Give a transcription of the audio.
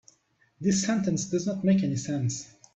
This sentence does not make any sense.